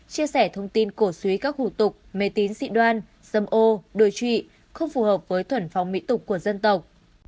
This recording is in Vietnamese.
chia sẻ thông tin cổ suý các hủ tục mê tín dị đoan dâm ô đôi trụy không phù hợp với thuẩn phóng mỹ tục của dân tộc